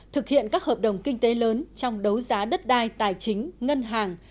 thực hiện các hợp đồng kinh tế lớn trong đấu giá đất đai tài chính ngân hàng